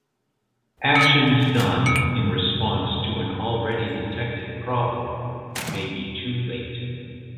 Actions done in response to an already detected problem may be too late.